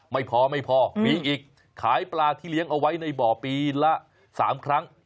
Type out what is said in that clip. ไม่พอไม่พอมีอีกขายปลาที่เลี้ยงเอาไว้ในบ่อปีละ๓ครั้ง